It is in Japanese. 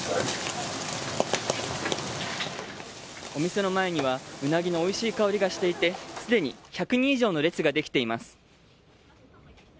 お店の前にはウナギのおいしい香りがしていてすでに１００人以上の列ができています。